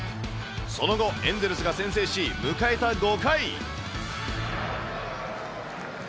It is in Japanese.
その後、エンゼルスが先制し、迎えた５回。